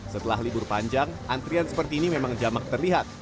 setelah libur panjang antrian seperti ini memang jamak terlihat